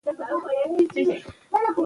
خاوره د افغانستان د طبعي سیسټم توازن ساتي.